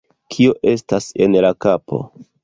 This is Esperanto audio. Kio estas en la kapo?